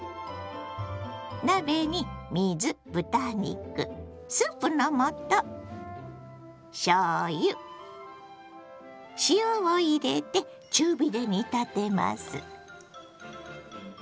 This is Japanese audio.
鍋に水豚肉スープの素しょうゆ塩を入れて中火で煮立てます。